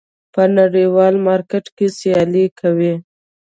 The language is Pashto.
په نړیوال مارکېټ کې سیالي کوي.